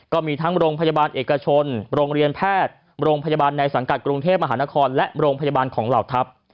ก็มีทั้งโรงพยาบาลเอกชนโรงเรียนแพทย์โรงพยาบาลในสังกัดกรุงเทพมหานครและโรงพยาบาลของเหล่าทัพ